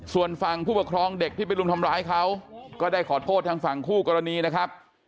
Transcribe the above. ส่วนฝั่งผู้ปกครองเด็กที่ไปรุมทำร้ายเขาก็ได้ขอโทษทางฝั่งคู่กรณีนะครับ